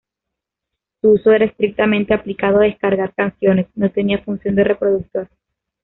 Su uso era estrictamente aplicado a descargar canciones, no tenía función de reproductor.